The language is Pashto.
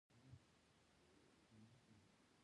خو کليوالو بيا دا ځای پړانګ غار باله.